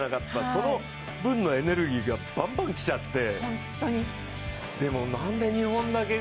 その分のエネルギーがバンバンきちゃって。